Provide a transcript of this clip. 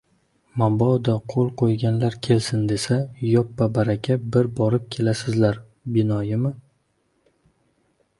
— Mabodo, qo‘l qo‘yganlar kelsin, desa, yoppa-baraka bir borib kelasizlar, binoyimi?